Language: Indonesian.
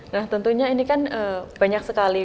nah tentunya ini kan banyak sekali